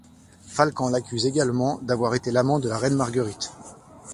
Falcand l'accuse également d'avoir été l'amant de la reine Marguerite.